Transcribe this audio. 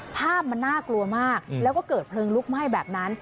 ภาพมันน่ากลัวมากแล้วก็เกิดเพลิงลุกไหม้แบบนั้น